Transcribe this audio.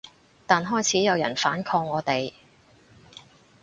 但開始有人反抗我哋